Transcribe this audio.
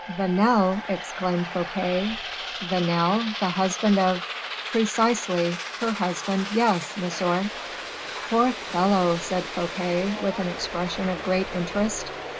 "Vanel!" exclaimed Fouquet. "Vanel the husband of " "Precisely, her husband; yes, monsieur." "Poor fellow!" said Fouquet, with an expression of great interest.